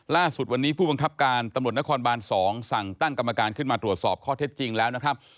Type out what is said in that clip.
ล่าสุดวันนี้ผู้บังคับการตำรวจนครบาน๒สั่งตั้งกรรมการขึ้นมาตรวจสอบข้อเท็จจริงแล้วนะครับ